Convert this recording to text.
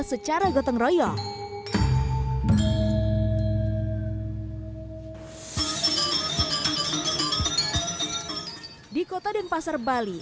secara gotong royong di kota dan pasar bali